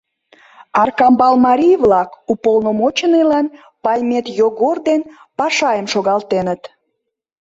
Аркамбал марий-влак уполномоченныйлан Паймет Йогор ден Пашайым шогалтеныт.